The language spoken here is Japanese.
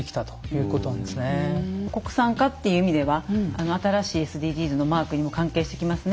国産化っていう意味では新しいＳＤＧｓのマークにも関係してきますね。